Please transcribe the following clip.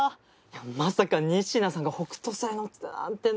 まさか仁科さんが北斗星乗ってたなんてな。